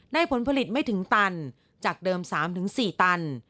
ผลผลิตไม่ถึงตันจากเดิม๓๔ตัน